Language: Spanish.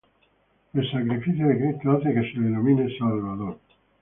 El sacrificio de Cristo hace que se le denomine Salvador.